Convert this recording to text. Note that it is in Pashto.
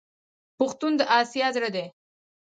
پښتون د اسیا زړه دی.